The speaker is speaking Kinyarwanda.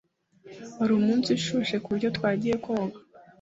Wari umunsi ushushe kuburyo twagiye koga.